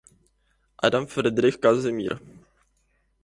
Adama Fridrich Kazimír.